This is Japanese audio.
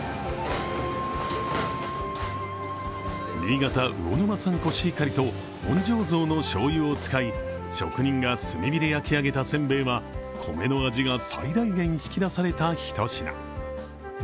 新潟魚沼産コシヒカリと本醸造のしょうゆを使い職人が炭火で焼き上げた煎餅は米の味が最大限引き出された一品。